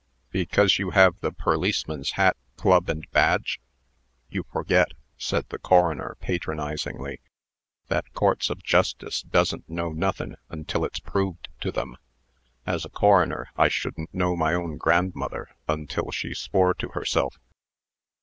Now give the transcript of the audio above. "Because you have the perliceman's hat, club, and badge? You forget," said the coroner, patronizingly, "that courts of justice doesn't know nothin' until it's proved to them. As a coroner, I shouldn't know my own grandmother, until she swore to herself."